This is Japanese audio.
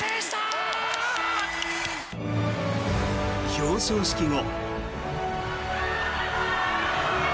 表彰式後。